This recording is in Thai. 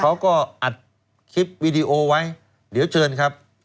เขาก็อัดตังชีพวีดีโอไว้